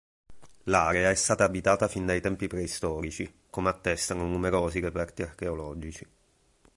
L'area è stata abitata fin dai tempi preistorici, come attestano numerosi reperti archeologici.